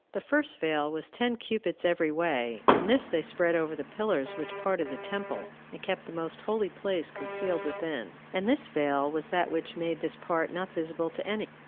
The first veil was ten cubits every way, and this they spread over the pillars which parted the temple, and kept the most holy place concealed within; and this veil was that which made this part not visible to any.